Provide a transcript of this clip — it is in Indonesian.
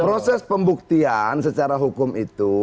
proses pembuktian secara hukum itu